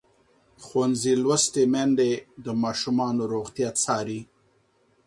ښوونځې لوستې میندې د ماشومانو روغتیا څاري.